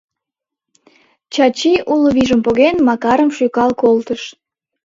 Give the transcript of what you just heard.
Чачи, уло вийжым поген, Макарым шӱкал колтыш.